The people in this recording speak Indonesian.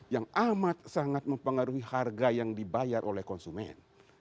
yang amat sangat mempengaruhi harga yang dibayar oleh konsumen